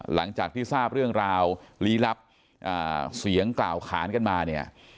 หลังจากที่ทราบเรื่องราวลี้ลับเสียงกล่าวขานกันมาเนี่ย